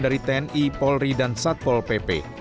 dari tni polri dan satpol pp